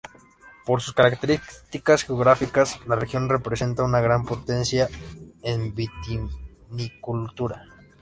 Por sus características geográficas, la región presenta un gran potencial en vitivinicultura.